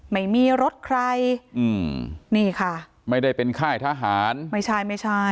ไม่มีรถใครอืมนี่ค่ะไม่ได้เป็นค่ายทหารไม่ใช่ไม่ใช่